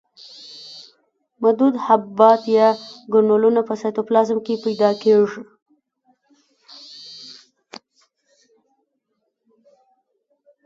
مدور حبیبات یا ګرنولونه په سایتوپلازم کې پیدا کیږي.